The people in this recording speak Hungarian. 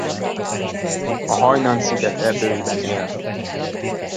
A Hajnan-sziget erdőiben él.